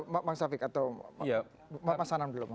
pak safik atau pak mas anand dulu